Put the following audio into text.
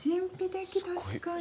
確かに。